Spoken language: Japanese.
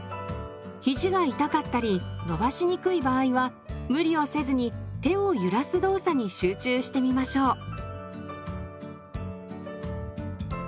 ひじが痛かったり伸ばしにくい場合は無理をせずに手を揺らす動作に集中してみましょう。